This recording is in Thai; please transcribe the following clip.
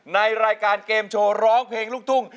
ในรายการเกมโชว์ร้องเพลงลูกทุ่ง